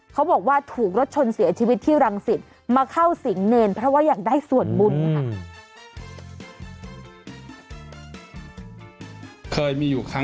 เขาบอกว่าถูกรถชนเสียชีวิตที่รังสิตมาเข้าสิงเนรเพราะว่าอยากได้ส่วนบุญนะคะ